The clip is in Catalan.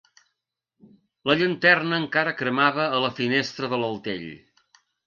La llanterna encara cremava a la finestra de l'altell.